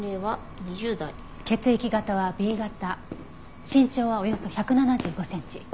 血液型はＢ型身長はおよそ１７５センチ。